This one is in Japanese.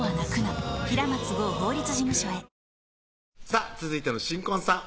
さぁ続いての新婚さん